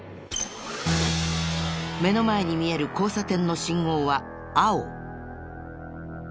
目の前に見える交差点の信号は青。